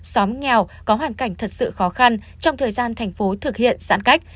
xóm nghèo có hoàn cảnh thật sự khó khăn trong thời gian thành phố thực hiện giãn cách